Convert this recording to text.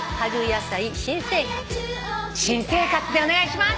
「新生活」でお願いします。